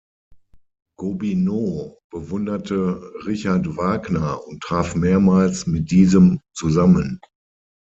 Gobineau bewunderte Richard Wagner und traf mehrmals mit diesem zusammen.